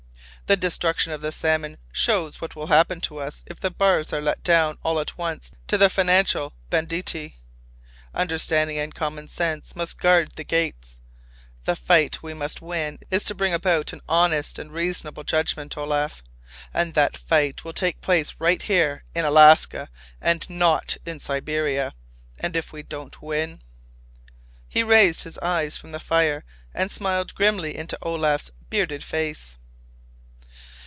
"The destruction of the salmon shows what will happen to us if the bars are let down all at once to the financial banditti. Understanding and common sense must guard the gates. The fight we must win is to bring about an honest and reasonable adjustment, Olaf. And that fight will take place right here—in Alaska—and not in Siberia. And if we don't win—" He raised his eyes from the fire and smiled grimly into Olaf's bearded face.